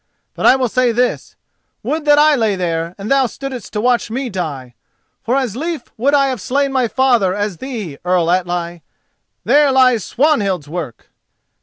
But I will say this: would that I lay there and thou stoodest to watch me die, for as lief would I have slain my father as thee, Earl Atli. There lies Swanhild's work!"